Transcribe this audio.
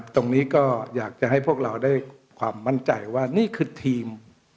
ตรงนี้ก็อยากจะให้พวกเราได้ความมั่นใจว่านี่คือทีม